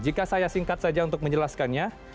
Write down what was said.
jika saya singkat saja untuk menjelaskannya